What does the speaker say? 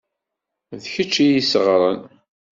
D kečč i y-isseɣren.